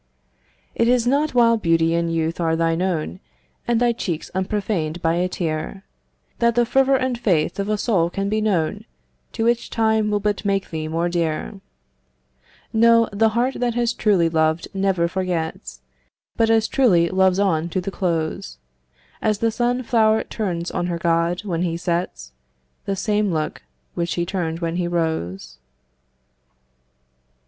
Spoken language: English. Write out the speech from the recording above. It is not while beauty and youth are thine own, And thy cheeks unprofaned by a tear, That the fervor and faith of a soul can be known, To which time will but make thee more dear; No, the heart that has truly loved never forgets, But as truly loves on to the close, As the sun flower turns on her god, when he sets, The same look which she turned when he rose.